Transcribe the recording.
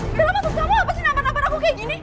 bella maksud kamu apa sih nampar nampar aku kayak gini